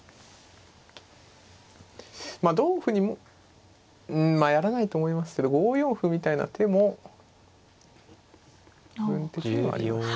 まあ同歩にうんまあやらないと思いますけど５四歩みたいな手も部分的にはありますね。